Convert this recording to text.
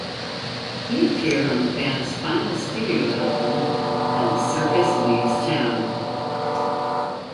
He appeared on the band's final studio album "...And the Circus Leaves Town".